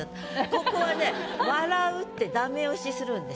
ここはね「笑う」ってダメ押しするんです。